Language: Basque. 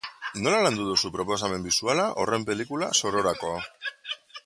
Nola landu duzu proposamen bisuala horren pelikula zororako?